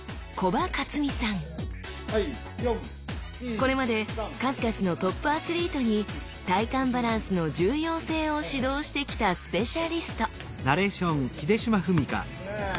これまで数々のトップアスリートに体幹バランスの重要性を指導してきたスペシャリスト！